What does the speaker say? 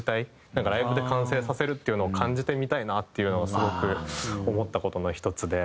ライヴで完成させるっていうのを感じてみたいなっていうのがすごく思った事の１つで。